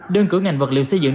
đơn cửa ngành vật liệu xây dựng